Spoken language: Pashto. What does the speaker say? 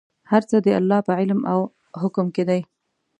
هر څه د الله په علم او حکم کې دي.